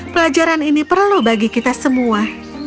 pelajaran ini perlu bagi kita semua